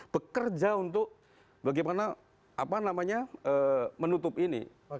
bekerja untuk bagaimana menutup ini